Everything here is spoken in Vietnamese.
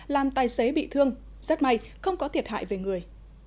làm tài xế bị thương rất may không có thiệt hại về người